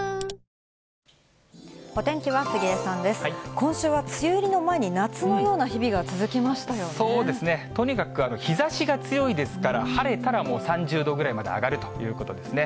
今週は梅雨入りの前に、そうですね、とにかく日ざしが強いですから、晴れたらもう３０度ぐらいまで上がるということですね。